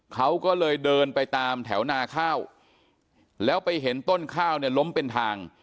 เขาก็เลยเดินไปตามแถวนาข้าวแล้วไปเห็นต้นข้าวเนี่ยล้มเป็นทาง